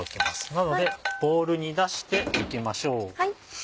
なのでボウルに出していきましょう。